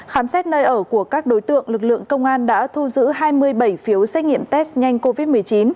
khám xét nơi ở của các đối tượng lực lượng công an đã thu giữ hai mươi bảy phiếu xét nghiệm test nhanh covid một mươi chín